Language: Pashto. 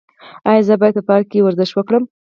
ایا زه باید په پارک کې ورزش وکړم؟